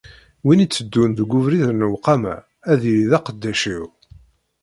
Win itteddun deg ubrid n lewqama ad yili d aqeddac-iw.